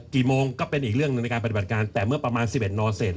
กี่โมงก็เป็นอีกเรื่องหนึ่งในการปฏิบัติการแต่เมื่อประมาณ๑๑นเสร็จ